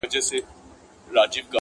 لکه تیږه اېښودل